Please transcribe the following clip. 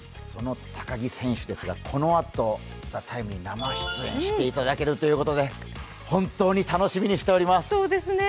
その高木選手ですが、このあと「ＴＨＥＴＩＭＥ，」に生出演していただけるということで本当に楽しみにしております。